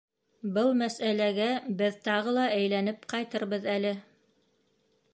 Был мәсьәләгә беҙ тағы ла әйләнеп ҡайтырбыҙ әле.